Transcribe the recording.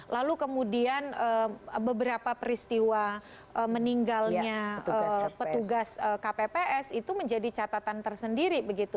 lalu kemudian beberapa peristiwa meninggalnya petugas kpps itu menjadi catatan tersendiri begitu